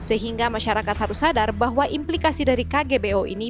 sehingga masyarakat harus sadar bahwa implikasi dari kgbo ini